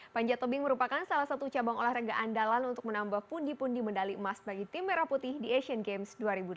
panjat tebing merupakan salah satu cabang olahraga andalan untuk menambah pundi pundi medali emas bagi tim merah putih di asian games dua ribu delapan belas